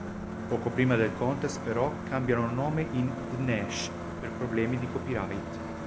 Poco prima del contest però, cambiano nome in D'Nash per problemi di copyright.